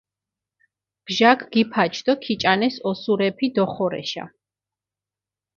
ბჟაქ გიფაჩ დო ქიჭანეს ოსურეფი დოხორეშა.